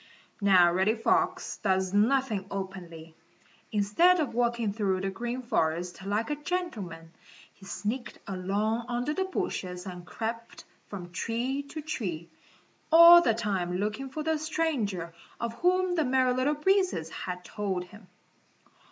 Now Reddy Fox does nothing openly. Instead of walking through the Green Forest like a gentleman, he sneaked along under the bushes and crept from tree to tree, all the time looking for the stranger of whom the Merry Little Breezes had told him.